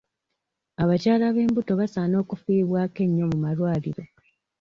Abakyala ab'embuto basaana okufiibwako ennyo mu malwaliro.